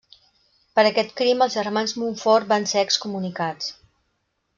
Per aquest crim els germans Montfort van ser excomunicats.